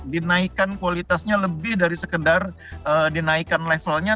dinaikkan kualitasnya lebih dari sekedar dinaikkan levelnya